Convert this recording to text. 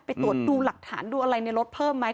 ไปตรวจดูหลักฐานดูอะไรในรถเพิ่มไหม